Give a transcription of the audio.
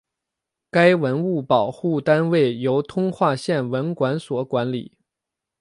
该文物保护单位由通化县文管所管理。